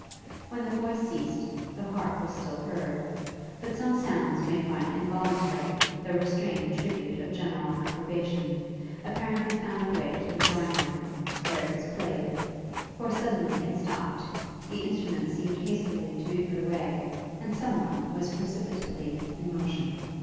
When the voice ceased, the harp was still heard; but some sounds made by an involuntary, though restrained tribute of general approbation, apparently found their way to the drawing room, where it was played; for suddenly it stopped, the instrument seemed hastily to be put away, and some one was precipitately in motion.